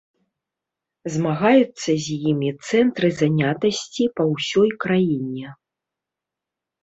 Змагаюцца з імі цэнтры занятасці па ўсёй краіне.